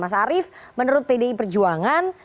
mas arief menurut pdi perjuangan